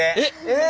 え！